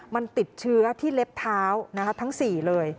มันติดเชื้อที่เล็บเท้าทั้ง๔เลย